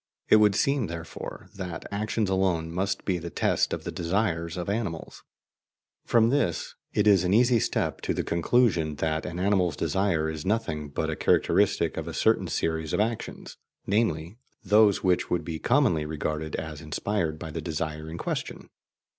It would seem, therefore, that actions alone must be the test of the desires of animals. From this it is an easy step to the conclusion that an animal's desire is nothing but a characteristic of a certain series of actions, namely, those which would be commonly regarded as inspired by the desire in question.